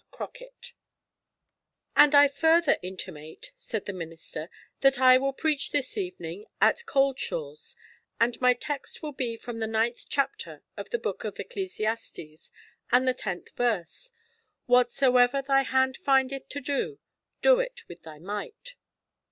CROCKETT 'And I further intimate,' said the minister, 'that I will preach this evening at Cauldshaws, and my text will be from the ninth chapter of the book of Ecclesiastes and the tenth verse, "Whatsoever thy hand findeth to do, do it with thy might."'